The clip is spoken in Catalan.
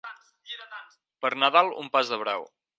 Per Nadal, un pas de brau.